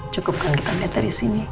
cukup kan kita lihat dari sini